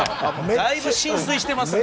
だいぶ心酔してますね。